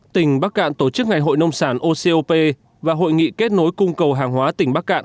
tỉnh bắc cạn tổ chức ngày hội nông sản ocop và hội nghị kết nối cung cầu hàng hóa tỉnh bắc cạn